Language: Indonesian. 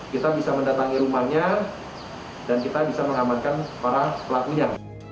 kita bisa mendatangi rumahnya dan kita bisa mengamankan para pelakunya